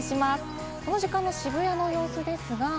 この時間の渋谷の様子ですが。